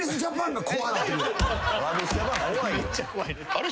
あれ？